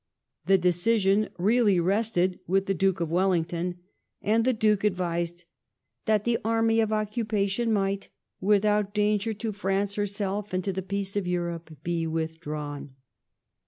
The decision really rested with the Duke of Wellington, and the Duke advised that the " army of occupation might, without danger to France herself and to the peace of Europe, be withdrawn